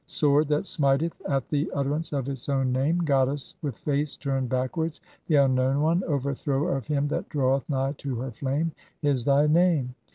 'Sword that smiteth at the utterance of its own name, "goddess with face turned backwards, the unknown one, over "thrower of him that draweth nigh to her flame', is thy name.